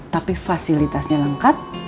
tapi fasilitasnya lengkap